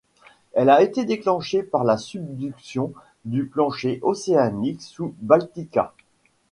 Elle a été déclenchée par la subduction du plancher océanique sous Baltica.